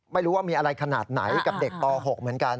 ไม่รู้ว่ามีอะไรขนาดไหนกับเด็กป๖เหมือนกัน